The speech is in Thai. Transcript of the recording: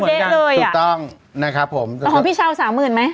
ถูกต้องนะครับผมแล้วของพี่ชาวสามหมึนไหม